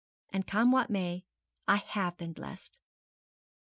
'And come what may, I have been bless'd.'